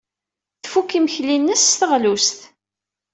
Tfuk imekli-nnes s teɣlust.